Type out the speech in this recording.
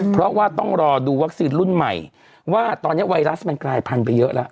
เพราะว่าต้องรอดูวัคซีนรุ่นใหม่ว่าตอนนี้ไวรัสมันกลายพันธุไปเยอะแล้ว